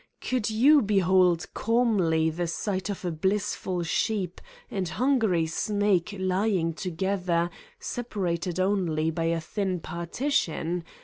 Could you behold calmly the sight of a blissful sheep and hungry snake lying together, separated only by a thin partition?